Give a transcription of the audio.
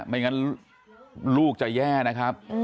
ไม่งั้นลูกจะแย่นะครับ